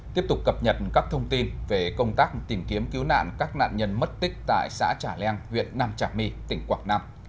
tiếp tục cập nhật các thông tin về công tác tìm kiếm cứu nạn các nạn nhân mất tích tại xã trà leng huyện nam trà my tỉnh quảng nam